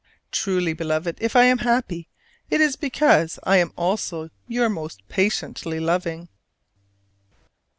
Truly, Beloved, if I am happy, it is because I am also your most patiently loving.